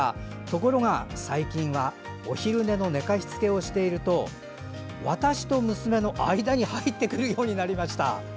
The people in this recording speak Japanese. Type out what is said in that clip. ところが最近はお昼寝の寝かしつけをしていると私と娘の間に入ってくるようになりました。